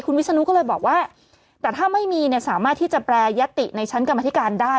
วิศนุก็เลยบอกว่าแต่ถ้าไม่มีเนี่ยสามารถที่จะแปรยติในชั้นกรรมธิการได้